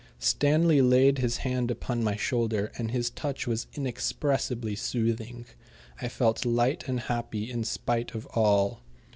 Stanley laid his hand upon my shoulder, and his touch was inexpressibly soothing. I felt light and happy, in spite of all.